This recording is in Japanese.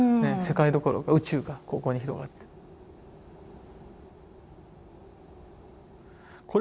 世界どころか宇宙がここに広がってる。